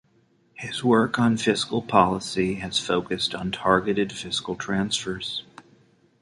His work on fiscal policy has focused on targeted fiscal transfers.